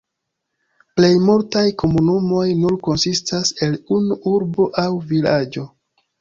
Plejmultaj komunumoj nur konsistas el unu urbo aŭ vilaĝo.